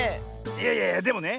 いやいやいやでもね